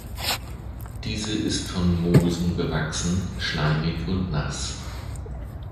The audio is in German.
Diese ist von Moosen bewachsen, schleimig und nass.